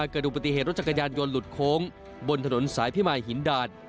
เกิดดูปฏิเหตุรถจักรยานยนต์หลุดโค้งบนถนนสายพิมายหินดาด